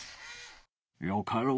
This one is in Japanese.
よかろう。